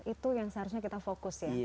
itu yang seharusnya kita fokus ya